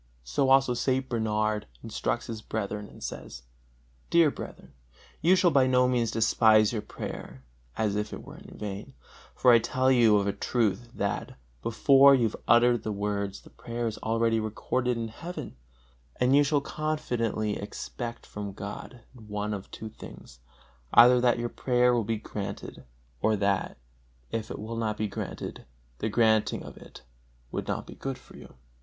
So St. Bernard instructs his brethren and says: "Dear brethren, you shall by no means despise your prayer, as if it were in vain, for I tell you of a truth that, before you have uttered the words, the prayer is already recorded in heaven; and you shall confidently expect from God one of two things: either that your prayer will be granted, or that, if it will not be granted, the granting of it would not be good for you."